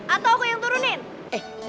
atau aku yang turunin